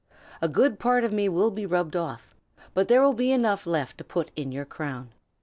A good part of me will be rubbed off, but there will be enough left to put in your crown.